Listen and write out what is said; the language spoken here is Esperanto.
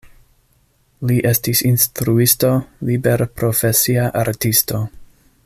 Li estis instruisto, liberprofesia artisto.